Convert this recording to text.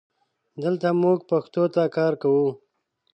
دلته مونږ پښتو ته کار کوو